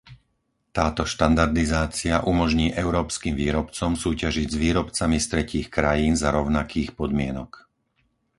Táto štandardizácia umožní európskym výrobcom súťažiť s výrobcami z tretích krajín za rovnakých podmienok.